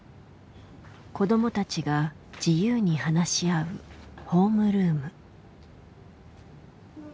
子どもたちが自由に話し合う「ホームルーム」。